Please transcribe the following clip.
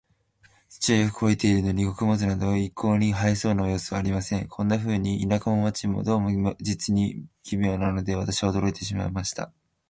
土はよく肥えているのに、穀物など一向に生えそうな様子はありません。こんなふうに、田舎も街も、どうも実に奇妙なので、私は驚いてしまいました。